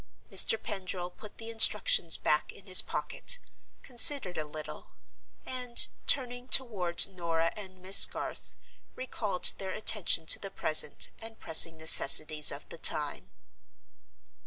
Mr. Pendril put the Instructions back in his pocket, considered a little, and, turning toward Norah and Miss Garth, recalled their attention to the present and pressing necessities of the time.